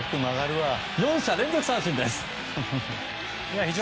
４者連続三振です。